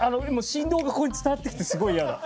振動がここに伝わってきてすごい嫌だ。